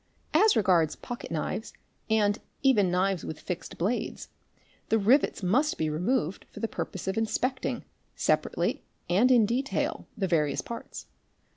As regards pocket knives, and even knives with fixed blades, the rivets must be removed for the purpose of inspecting, separately and in detail, the various parts.